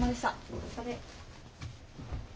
お疲れ。